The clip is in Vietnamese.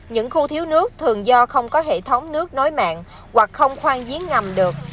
những khu thiếu nước thường do không có hệ thống nước nối mạng hoặc không khoan giếng ngầm được